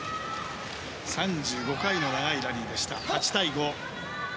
３５回の長いラリーでした。